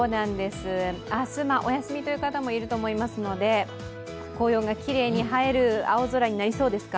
明日お休みという方もいると思いますので、紅葉がきれいに映える青空になりそうですか？